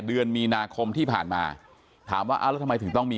เดือนมีนาคมที่ผ่านมาถามว่าอ้าวแล้วทำไมถึงต้องมี